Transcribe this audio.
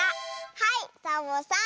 はいサボさん。